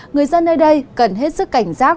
người dân nơi đây cần hết sức cảnh giác